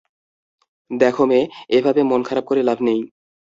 দেখো মেয়ে, এভাবে মন খারাপ করে লাভ নেই।